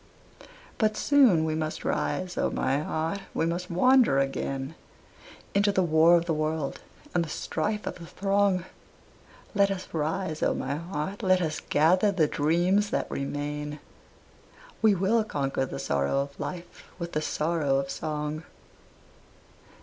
But soon we must rise, O my heart, we must wander again Into the war of the world and the strife of the throng; Let us rise, O my heart, let us gather the dreams that remain, We will conquer the sorrow of life with the sorrow of song.